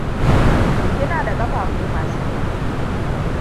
Kina da ƙafafu masu kyau.